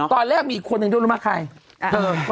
ตอนแรกมีคนหนึ่งที่รู้มากใคร